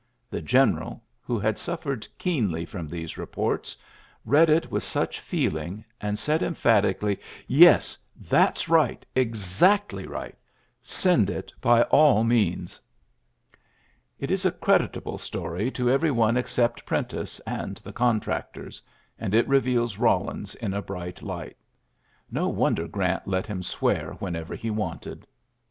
The gen ii, who had suffered keenly from these )orts, read it with much feeling, and d emphatically : Yes, that's right, — ictly right Send it by all means." iiuijiry wvji 48 ULYSSES S. GEANT It is a creditable story to every one eic cept Prentiss and the contractors ; and it reveals Eawlins in a bright light, ^o wonder Orant let him swear whenever he wanted.